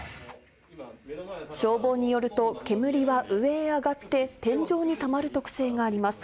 消防によると、煙は上へあがって天井にたまる特性があります。